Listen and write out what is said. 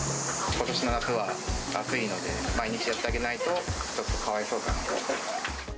ことしの夏は暑いので、毎日やってあげないと、ちょっとかわいそうかなと。